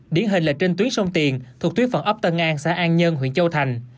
điển hình là trên tuyến sông tiền thuộc thúy phận ấp tân an xã an nhân huyện châu thành